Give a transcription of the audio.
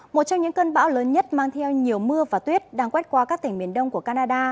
một trong những cơn bão lớn nhất mang theo nhiều mưa và tuyết đang quét qua các tỉnh miền đông của canada